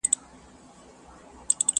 رقیب مي له شهبازه غزلونه تښتوي!.